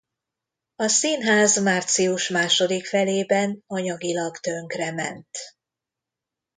A színház március második felében anyagilag tönkrement.